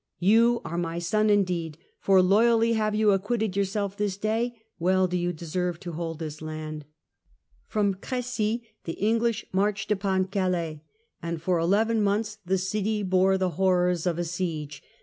You are my son indeed, for loyally have you acquitted yourself this day ; well do you deserve to hold this land." Siege of From Cre^y the English marched upon Calais, and Sept. 1346 for eleven months the city bore the horrors of a siege.